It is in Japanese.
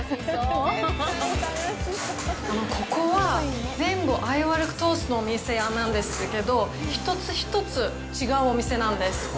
ここは、全部アイヴァルックトーストのお店屋なんですけど１つ１つ違うお店なんです。